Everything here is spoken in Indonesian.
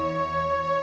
punya racksal salah